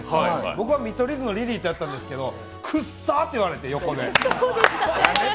僕は見取り図のリリーとやったんですけど、横で「くっさっ」って言われて。